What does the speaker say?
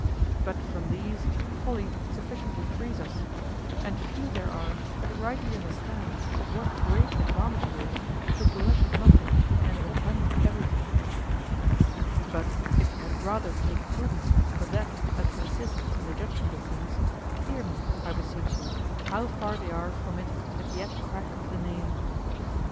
But from these folly sufficiently frees us, and few there are that rightly understand of what great advantage it is to blush at nothing and attempt everything. But if you had rather take prudence for that that consists in the judgment of things, hear me, I beseech you, how far they are from it that yet crack of the name.